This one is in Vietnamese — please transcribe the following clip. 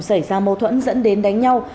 xảy ra mâu thuẫn dẫn đến đánh nhau